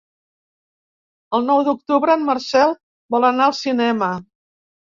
El nou d'octubre en Marcel vol anar al cinema.